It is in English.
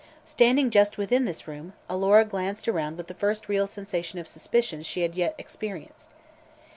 Standing just within this room, Alora glanced around with the first real sensation of suspicion she had yet experienced.